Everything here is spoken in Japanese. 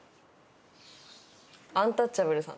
アンタッチャブルさん。